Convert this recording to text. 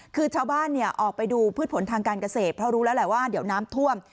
คือชาวบ้านออกไปดูพืชผลทางการเกษตรเพราะรู้แล้วแหละว่าเดี๋ยวน้ำท่วม